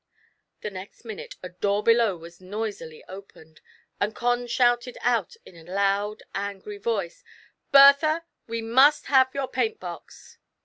The next minute a door below was noisily opened, and Con shouted out in a loud, angry voice, ''Bertha, we must have your paint box